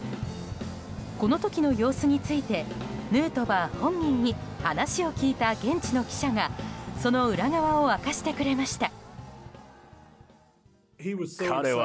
この時の様子についてヌートバー本人に話を聞いた現地の記者がその裏側を明かしてくれました。